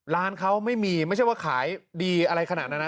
ร้านเขาไม่มีไม่ใช่ว่าขายดีอะไรขนาดนั้นนะ